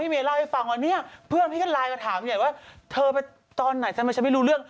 มากเลย